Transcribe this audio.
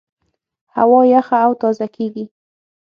هوا یخه او تازه کېږي.